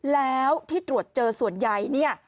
แล้วที่ตรวจเจอส่วนใหญ่เนี่ย